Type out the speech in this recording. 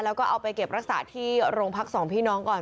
แล้วก็เอาไปเก็บรักษาที่โรงพักสองพี่น้องก่อน